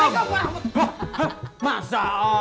kok sama saja